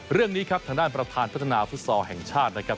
เรื่องนี้ครับทางด้านประธานพัฒนาฟุตซอลแห่งชาตินะครับ